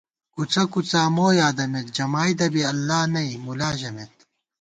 کُڅہ کُڅا مو یادَمېت جمائیدہ بی اللہ نئ مُلا ژمېت